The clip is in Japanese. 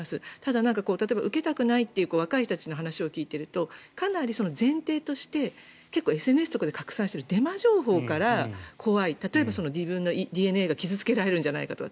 ただ、受けたくないという若い人たちの話を聞いているとかなり前提としてＳＮＳとかで拡散しているデマ情報から怖い例えば自分のＤＮＡが傷付けられるんじゃないかとか。